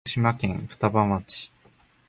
福島県双葉町